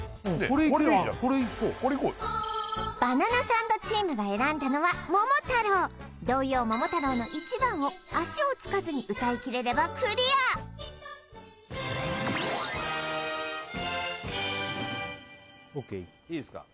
これいこうバナナサンドチームが選んだのは「桃太郎」童謡「桃太郎」の１番を足をつかずに歌いきれればクリアＯＫいいですか？